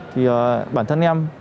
thì bản thân em